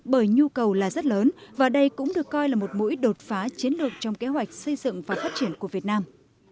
bởi nhu cầu là rất lớn và đây cũng được coi là một mũi đột phá chiến lược trong kế hoạch xây dựng và phát triển của việt nam